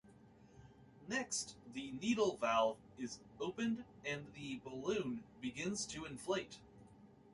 Next, the needle valve is opened and the balloon begins to inflate.